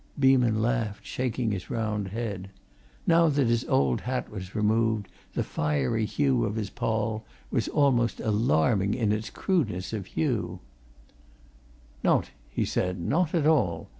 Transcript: Beeman laughed, shaking his round head. Now that his old hat was removed, the fiery hue of his poll was almost alarming in its crudeness of hue. "Nowt," he said. "Nowt at all!